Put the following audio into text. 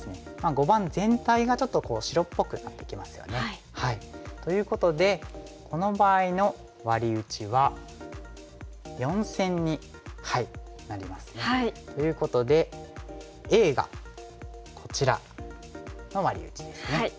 碁盤全体がちょっと白っぽくなってきますよね。ということでこの場合のワリ打ちは４線になりますね。ということでＡがこちらのワリ打ちですね。